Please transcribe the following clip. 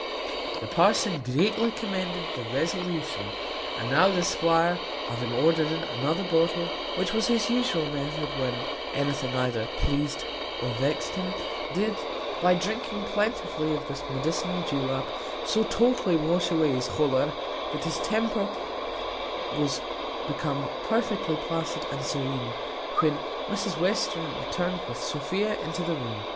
The parson greatly commended this resolution: and now the squire having ordered in another bottle, which was his usual method when anything either pleased or vexed him, did, by drinking plentifully of this medicinal julap, so totally wash away his choler, that his temper was become perfectly placid and serene, when Mrs Western returned with Sophia into the room.